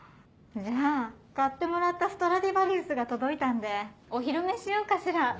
じゃあ買ってもらったストラディバリウスが届いたんでお披露目しようかしら。